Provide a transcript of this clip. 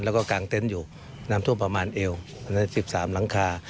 แล้วก็กางเต็นต์อยู่น้ำท่วมประมาณเอว๑๓หลังคา